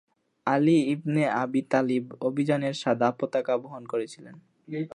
আলি ibn Abi Talib অভিযানের সাদা পতাকা বহন করেছিলেন।